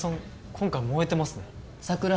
今回燃えてますね佐久良